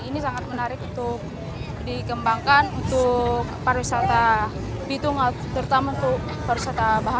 ini sangat menarik untuk dikembangkan untuk pariwisata bitung terutama untuk pariwisata